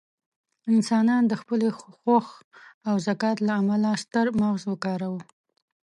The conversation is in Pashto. انسانان د خپل هوښ او ذکاوت له امله ستر مغز وکاروه.